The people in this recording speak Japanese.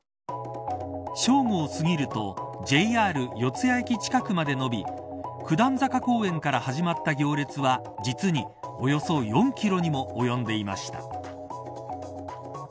正午を過ぎるとＪＲ四ツ谷駅近くまで延び九段坂公園から始まった行列は実に、およそ４キロにも及んでいました。